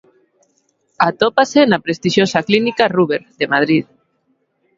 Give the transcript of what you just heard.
Atópase na prestixiosa clínica Ruber, de Madrid.